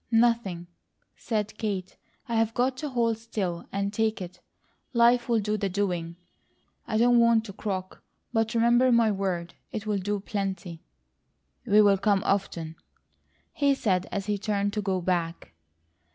"Nothing," said Kate. "I've got to hold still, and take it. Life will do the doing. I don't want to croak, but remember my word, it will do plenty." "We'll come often," he said as he turned to go back.